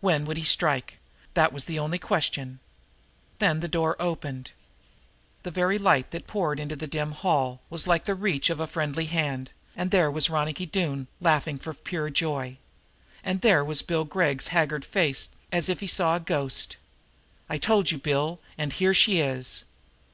When would he strike? That was the only question. Then the door opened. The very light that poured out into the dim hall was like the reach of a friendly hand, and there was Ronicky Doone laughing for pure joy and there was Bill Gregg's haggard face, as if he saw a ghost. "I told you, Bill, and here she is!"